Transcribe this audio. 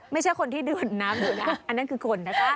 ไม่ใช่คนที่ดื่มน้ำอยู่นะอันนั้นคือคนนะคะ